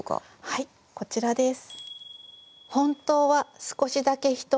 はいこちらです。